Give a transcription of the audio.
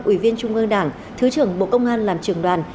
ủy viên trung ương đảng thứ trưởng bộ công an làm trưởng đoàn